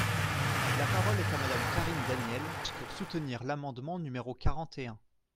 La parole est à Madame Karine Daniel, pour soutenir l’amendement numéro quarante et un.